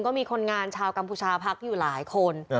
ก็มีคนงานชาวกัมพูชาพักอยู่หลายคน